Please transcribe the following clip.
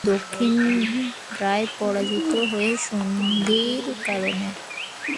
দক্ষিণ রায় পরাজিত হয়ে সন্ধি করেন।